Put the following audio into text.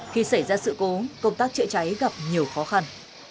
khi xảy ra sự cố công tác chữa cháy gặp nhiều khó khăn